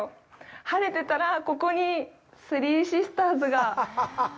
晴れてたら、ここにスリー・シスターズが。